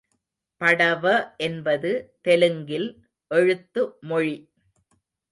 படவ என்பது தெலுங்கில் எழுத்து மொழி.